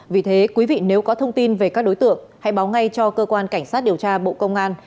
vì thế quý vị nếu có thông tin về các đối tượng hãy báo ngay cho cơ quan cảnh sát điều tra bộ công an